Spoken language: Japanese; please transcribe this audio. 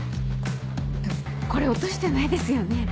これ落としてないですよね？